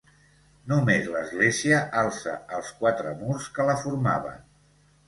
Només l'església alça els quatre murs que la formaven.